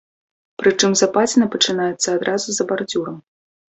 Прычым западзіна пачынаецца адразу за бардзюрам.